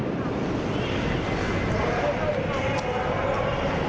เพราะตอนนี้ก็ไม่มีเวลาให้เข้าไปที่นี่